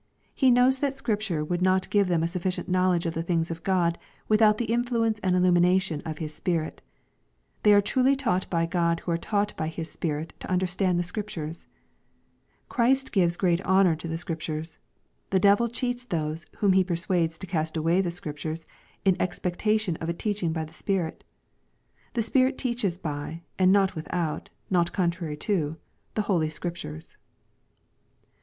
He knows that Scripture would not give them a sufficient knowledge of the things of God, without the influence and illumination of His Spirit They are truly taught by God who are taught by His Spirit to understand the Scriptures. Christ gives great honor to the Scriptures. The devil cheats those whom he persuades to cast away the Scriptures in expectation of a teaching by the Spirit The Spirit teaches by, not without, not contrary to, the Holy Scriptures."